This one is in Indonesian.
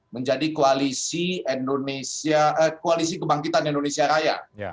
menjadi koalisi kebangkitan indonesia raya